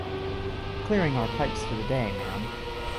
Clearing our pipes for the day, ma'am.